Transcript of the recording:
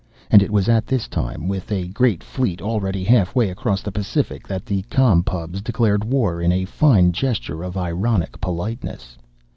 And it was at this time, with a great fleet already half way across the Pacific, that the Com Pubs declared war in a fine gesture of ironic politeness.